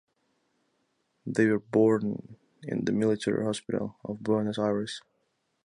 They were born in the Military Hospital of Buenos Aires.